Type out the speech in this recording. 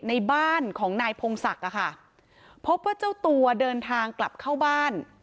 ในบ้านของนายพงศักดิ์อะค่ะพบว่าเจ้าตัวเดินทางกลับเข้าบ้าน